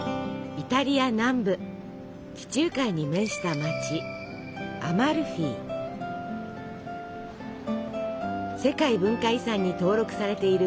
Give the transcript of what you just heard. イタリア南部地中海に面した街世界文化遺産に登録されている